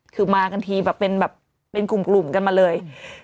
คือมากันทีแบบเป็นแบบเป็นกลุ่มกันมาเลย